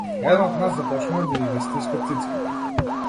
Еден од нас започнува да и ги стиска цицките.